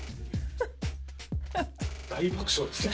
大爆笑ですね。